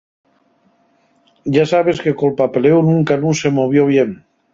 Yá sabes que col papeléu nunca nun se movió bien.